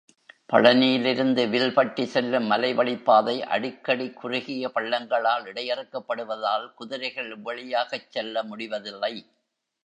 பழனியிலிருந்து வில்பட்டி செல்லும் மலைவழிப் பாதை அடிக்கடி குறுகிய பள்ளங்களால் இடையறுக்கப்படுவதால், குதிரைகள் இவ்வழியாகச் செல்ல முடிவதில்லை.